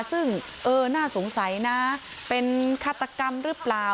ซึ่งเออน่าสงสัยนะเป็นฆาตกรรมหรือเปล่า